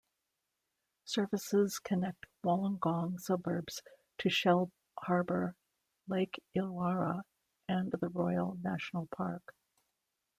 Services connect Wollongong suburbs to Shellharbour, Lake Illawarra and the Royal National Park.